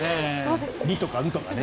リとかンとかね。